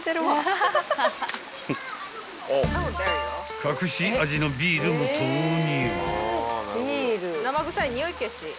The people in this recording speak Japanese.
［隠し味のビールも投入］